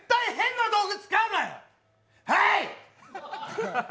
はい！